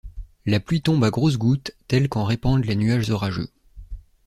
La pluie tombe à grosses gouttes, telles qu’en répandent les nuages orageux.